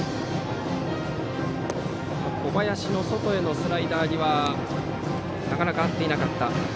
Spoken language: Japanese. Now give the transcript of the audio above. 小林の外へのスライダーにはなかなか合っていなかった。